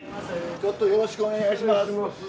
ちょっとよろしくお願いします。